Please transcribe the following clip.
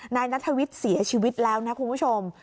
นายนัทวิทย์เสียชีวิตแล้วนะคุณผู้ชม